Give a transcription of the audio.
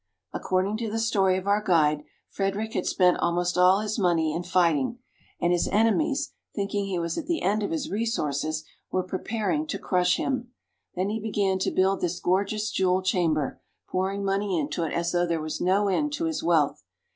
According to the story :;. l&M* 3EU ; Babelsberg. of our guide, Frederick had spent almost all his money in fighting, and his enemies, thinking he was at the end of his resources, were preparing to crush him. Then he began to build this gorgeous jewel chamber, pouring money into it as though there was no end to his wealth.